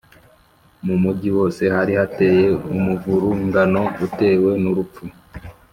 Mu mugi wose hari hateye umuvurungano utewe n urupfu